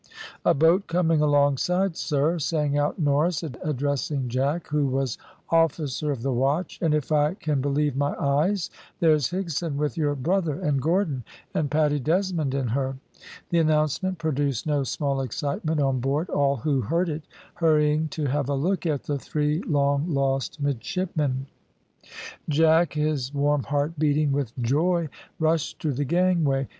"A boat coming alongside, sir," sang out Norris, addressing Jack, who was officer of the watch, "and if I can believe my eyes, there's Higson, with your brother, and Gordon, and Paddy Desmond in her." The announcement produced no small excitement on board, all who heard it hurrying to have a look at the three long lost midshipmen. Jack, his warm heart beating with joy, rushed to the gangway.